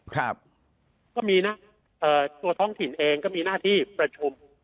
ก็มีนะเอ่อตัวท้องถิ่นเองก็มีหน้าที่ประชุม